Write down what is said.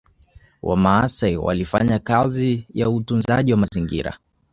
Wamaasai walifanya kazi ya utunzaji wa mazingra